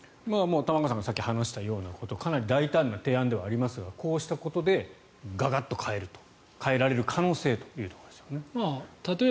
玉川さんがさっき話したようなことをかなり大胆な提案ではありますがこうしたことで、ガガッと変えられる可能性ということですね。